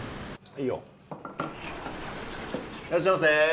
いらっしゃいませ。